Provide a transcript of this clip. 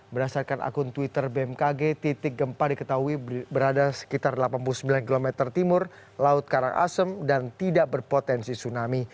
berdasarkan akun twitter bmkg titik gempa diketahui berada sekitar delapan puluh sembilan km timur laut karangasem dan tidak berpotensi tsunami